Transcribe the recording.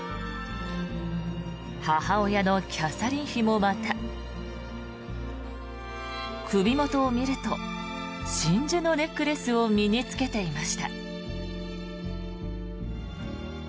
母親のキャサリン妃もまた首元を見ると真珠のネックレスを身に着けていました。